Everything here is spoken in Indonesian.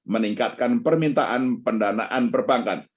meningkatkan permintaan pendanaan perbankan